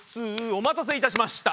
お待たせいたしました。